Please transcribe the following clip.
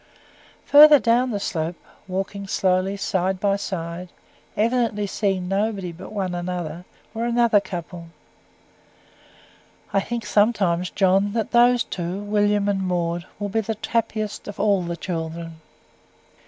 Further down the slope, walking slowly, side by side, evidently seeing nobody but one another, were another couple. "I think, sometimes, John, that those two, William and Maud, will be the happiest of all the children."